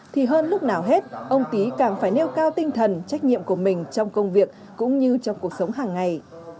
thì hơn lúc nào hết ông tý càng phải nêu cao tinh thần trách nhiệm của mình trong công việc cũng như trong cuộc sống hàng ngày